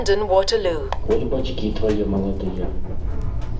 Хоць бацькі твае маладыя.